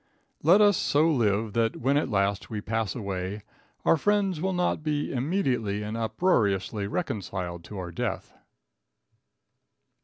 Let us so live that when at last we pass away our friends will not be immediately and uproariously reconciled to our death.